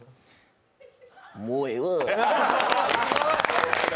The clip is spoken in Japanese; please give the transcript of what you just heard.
もうええわ。